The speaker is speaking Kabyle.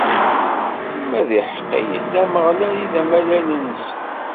Ma d iḥeqqiyen, d Ameɣlal i d amalal-nsen.